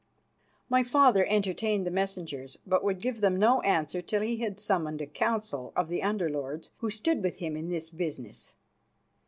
My father entertained the messengers, but would give them no answer till he had summoned a council of the Under lords who stood with him in this business.